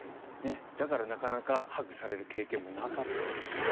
だから、なかなかハグされる経験もなかったと。